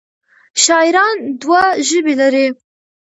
شاعران دوه ژبې لري.